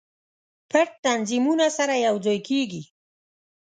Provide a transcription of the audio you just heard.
پټ تنظیمونه سره یو ځای کیږي.